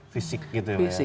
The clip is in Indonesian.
fisik gitu ya